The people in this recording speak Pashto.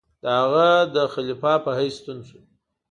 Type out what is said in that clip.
د هغه د خلیفه په حیث ستون شو.